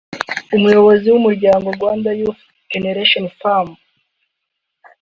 umuyobozi w’umuryango “Rwanda Young Generation Forum”